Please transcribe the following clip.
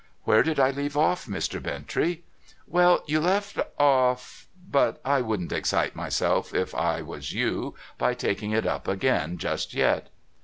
' Where did I leave off, Mr. Bintrey ?'' Well, you left off— but I wouldn't excite myself, if I was you, by taking it up again just yet.'